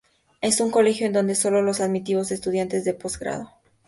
Es un colegio en donde sólo son admitidos estudiantes de post-grado.